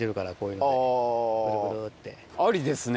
ありですね。